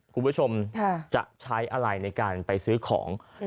คุณผู้ชมจะใช้อะไรในการไปซื้อของ